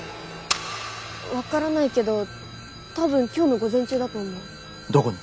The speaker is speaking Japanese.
分からないけど多分今日の午前中だと思う。